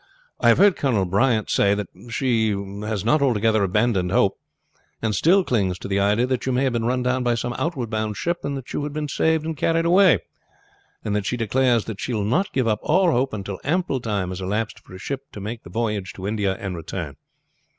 "I have heard Colonel Bryant say that she has not altogether abandoned hope, and still clings to the idea that you may have been run down by some outward bound ship and that you had been saved and carried away, and that she declares that she shall not give up all hope until ample time has elapsed for a ship to make the voyage to India and return."